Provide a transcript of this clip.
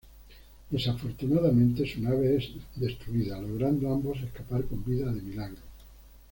Desafortunadamente su nave es destruida, logrando ambos, escapar con vida de milagro.